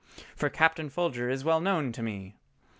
For Captain Folger is well known to me.